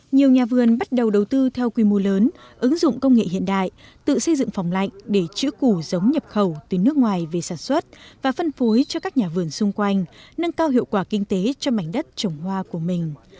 nhiều nhà vườn bắt đầu đầu tư theo quy mô lớn ứng dụng công nghệ hiện đại tự xây dựng phòng lạnh để chữ củ giống nhập khẩu từ nước ngoài về sản xuất và phân phối cho các nhà vườn xung quanh nâng cao hiệu quả kinh tế cho mảnh đất trồng hoa của mình